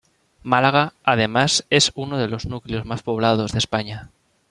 Málaga, además es uno de los núcleos más poblados de España.